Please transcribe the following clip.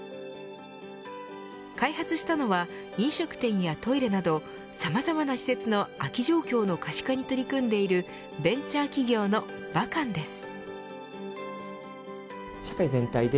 開発したのは飲食店やトイレなどさまざまな施設の空き状況の可視化に取り組んでいるベンチャー企業のＶＡＣＡＮです。